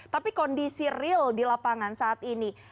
tapi kondisi real di lapangan saat ini